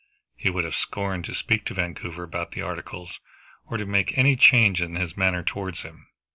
He would have scorned to speak to Vancouver about the articles, or to make any change in his manner towards him.